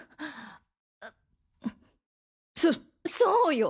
そそうよ！